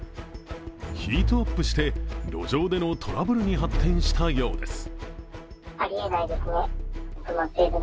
ヒートアップして路上でのトラブルに発展したようです。